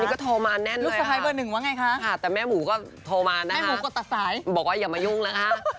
นี่ก็โทรมานแน่นเลยค่ะแต่แม่หมูก็โทรมานนะคะบอกว่าอย่ามายุ่งนะคะ